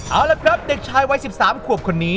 เอาล่ะครับเด็กชายวัย๑๓ควบ